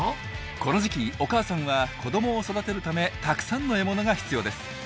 この時期お母さんは子どもを育てるためたくさんの獲物が必要です。